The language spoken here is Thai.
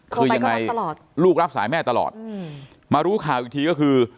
คือยังไงตลอดลูกรับสายแม่ตลอดมารู้ข่าวอีกทีก็คือ